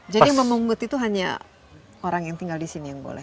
jadi memungut itu hanya orang yang tinggal di sini yang boleh